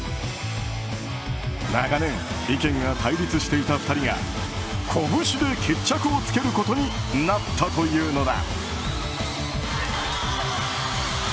長年、意見が対立していた２人がこぶしで決着をつけることになったというのだ。